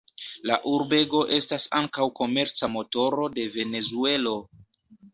La urbego estas ankaŭ komerca motoro de Venezuelo.